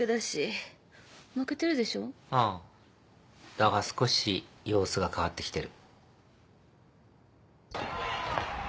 だが少し様子が変わってきてる。